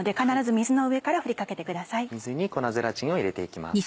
水に粉ゼラチンを入れて行きます。